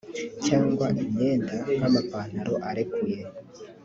cyangwa imyenda nk’amapantalo arekuye